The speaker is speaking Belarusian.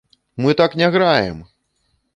Мы так не граем!